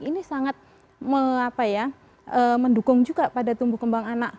ini sangat mendukung juga pada tumbuh kembang anak